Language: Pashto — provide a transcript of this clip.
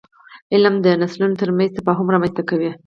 علم د نسلونو ترمنځ تفاهم رامنځته کوي.